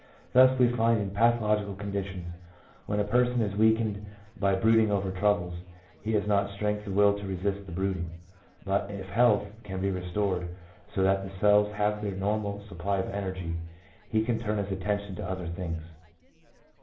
3 Thus we find in pathological conditions, when a person is weakened by brooding over troubles, he has not strength of will to resist the brooding; but if health can be restored, so that the cells have their normal supply of energy, he can turn his attention to other things.